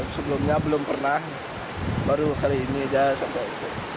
sebelumnya belum pernah baru kali ini aja sampai